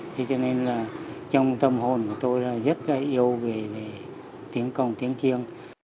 thế cho nên là trong tâm hồn của tôi là rất là yêu về tiếng cồng tiếng chiêng